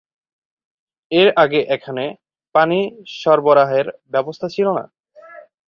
এর আগে এখানে পানি সরবরাহের ব্যবস্থা ছিলনা।